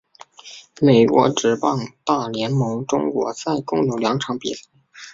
美国职棒大联盟中国赛共有两场比赛。